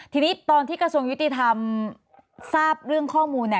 ทีนี้ตอนที่กระทรวงยุติธรรมทราบเรื่องข้อมูล